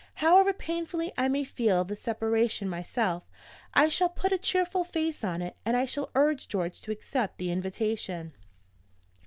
However painfully I may feel the separation myself, I shall put a cheerful face on it; and I shall urge George to accept the invitation.